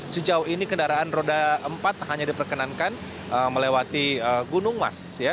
sejauh ini kendaraan roda empat hanya diperkenankan melewati gunung mas